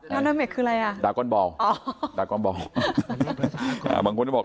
นั่นคืออะไรอ่ะดาร์กอลบอลดาร์กอลบอลอ่าบางคนจะบอก